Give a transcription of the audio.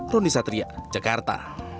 roni satria jakarta